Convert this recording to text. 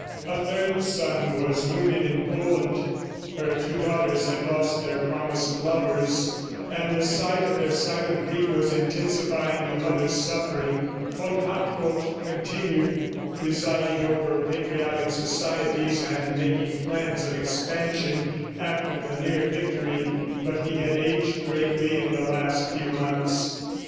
A third son was wounded in Poland. Her two daughters had lost their promised lovers, and the sight of their silent grief, was intensifying the mother's suffering. Von Hartrott continued presiding over patriotic societies and making plans of expansion after the near victory, but he had aged greatly in the last few months.